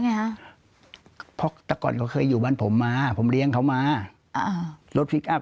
ไงฮะเพราะแต่ก่อนเขาเคยอยู่บ้านผมมาผมเลี้ยงเขามาอ่ารถพลิกอัพ